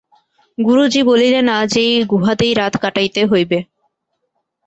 গুরুজি বলিলেন, আজ এই গুহাতেই রাত কাটাইতে হইবে।